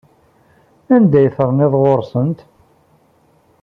Anda ay terniḍ ɣer-sent?